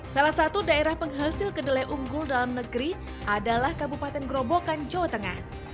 salah satu daerah penghasil kedelai unggul dalam negeri adalah kabupaten gerobokan jawa tengah